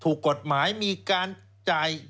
ถูกกฎหมายมีการจ่าย